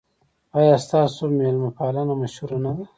ایا ستاسو میلمه پالنه مشهوره نه ده؟